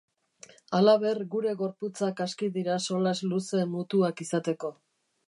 Halaber, gure gorputzak aski dira solas luze mutuak izateko.